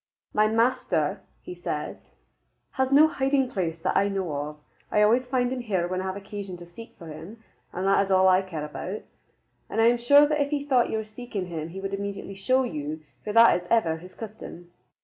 "My master," he said, "has no hiding place that I know of. I always find him here when I have occasion to seek for him, and that is all I care about. But I am sure that if he thought you were seeking him he would immediately show you, for that is ever his custom."